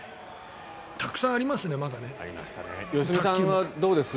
たくさんありますね、まだ。ありましたね。